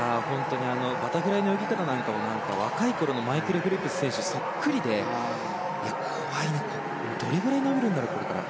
バタフライの泳ぎ方なんか若いころのマイケル・フェルプス選手にそっくりでして怖いなどれぐらいになるんだろうな。